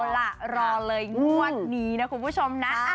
ลองกฎเลยล้วนนี้นะคุณผู้ชมนะ